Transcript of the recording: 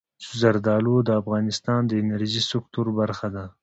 زردالو د افغانستان د انرژۍ سکتور برخه ده.